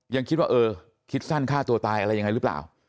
ยังคิดว่าเออคิดสั้นฆ่าตัวตายอะไรยังไงหรือเปล่า